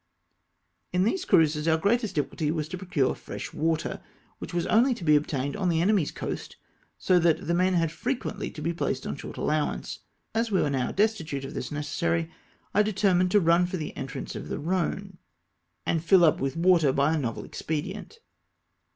In these cruises our greatest difficulty was to procure fresh water, which was only to be obtained on the enemy's coast, so that the men had frequently to be placed on short allowance. As we were now destitute of this necessary, I determined to run for the entrance of the Ehone, and fill up with water by a novel expedient.